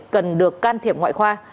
cần được can thiệp ngoại khoa